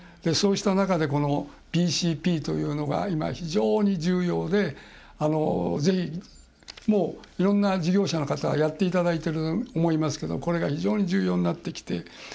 そうした中でＢＣＰというのが今、非常に重要でぜひ、いろんな事業者の方はやっていただいてると思いますけれどもこれが非常に重要になってきて。